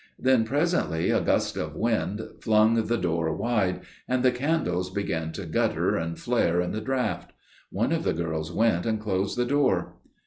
Then presently a gust of wind flung the door wide, and the candles began to gutter and flare in the draught. One of the girls went and closed the door.